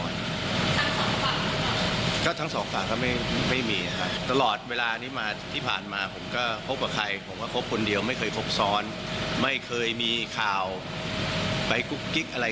อย่างที่ทราบไปนะคะพี่เคลลี่